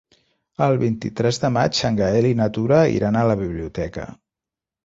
El vint-i-tres de maig en Gaël i na Tura iran a la biblioteca.